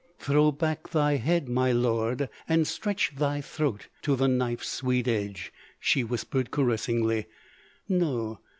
"Throw back thy head, my lord, and stretch thy throat to the knife's sweet edge," she whispered caressingly. "No!